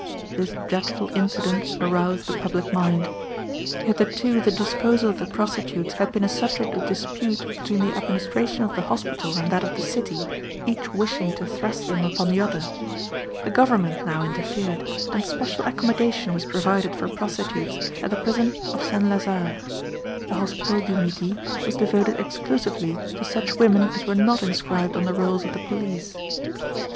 This dreadful incident aroused the public mind. Hitherto the disposal of the prostitutes had been a subject of dispute between the administration of the hospital and that of the city, each wishing to thrust them upon the other. The government now interfered, and special accommodation was provided for prostitutes at the prison of Saint Lazare. The Hospital du Midi was devoted exclusively to such women as were not inscribed on the rolls of the police.